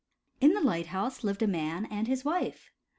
In the light house lived a man and his wife.